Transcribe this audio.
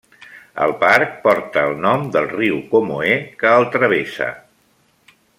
El parc porta el nom del riu Comoé que el travessa.